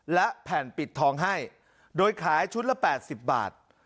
และแผ่นปิดทองให้โดยขายชุดละ๘๐บาท